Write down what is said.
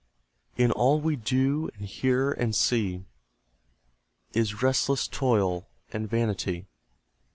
In all we do, and hear, and see, Is restless Toil and Vanity.